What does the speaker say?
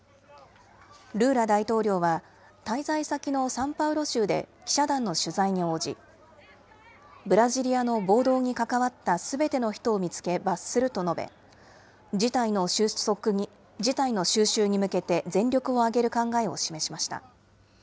ルーラ大統領は、滞在先のサンパウロ州で記者団の取材に応じ、ブラジリアの暴動に関わったすべての人を見つけ罰すると述べ、事態の収拾に向けて全力を挙げる考えを示しました。